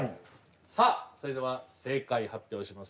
さあそれでは正解発表します。